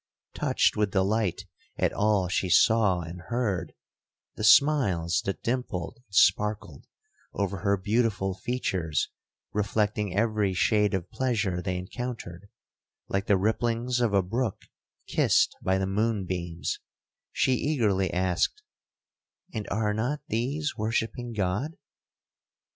Touched with delight at all she saw and heard,—the smiles that dimpled and sparkled over her beautiful features reflecting every shade of pleasure they encountered, like the ripplings of a brook kissed by the moon beams,—she eagerly asked, 'And are not these worshipping God?'